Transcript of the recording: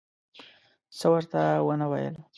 څه ورته ونه ویل.